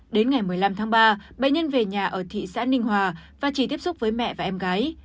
đến ngày một mươi năm tháng ba bệnh nhân về nhà ở thị xã ninh hòa và chỉ tiếp xúc với mẹ và em gái